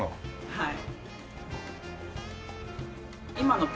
はい。